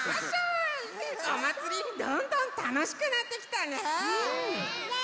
おまつりどんどんたのしくなってきたね。ね！